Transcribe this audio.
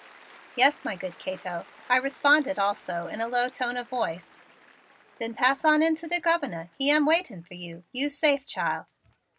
"Yes, my good Cato," I responded also in a low tone of voice. "Den pass on in to de Governor; he am waitin' fer you. You's safe, chile."